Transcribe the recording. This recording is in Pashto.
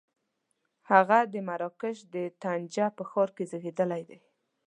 هغه د مراکش د طنجه په ښار کې زېږېدلی دی.